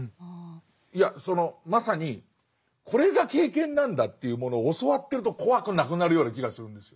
いやそのまさにこれが経験なんだというものを教わってると怖くなくなるような気がするんですよ。